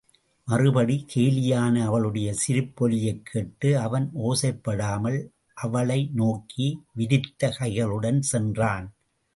மறுபடி கேலியான அவளுடைய சிரிப்பொலியைக் கேட்டு, அவன் ஓசைப்படாமல் அவளை நோக்கி விரித்த கைகளுடன் சென்றான்.